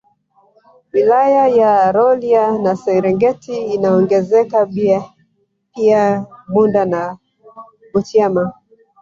Wilaya ya Rolya na Serengeti inaongezeka pia Bunda na Butiama